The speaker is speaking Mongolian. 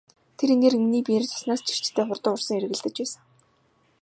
Тэр энерги миний биеэр цуснаас ч эрчтэй хурдан урсан эргэлдэж байсан.